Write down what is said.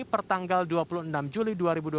pertanggal dua puluh enam juli dua ribu dua puluh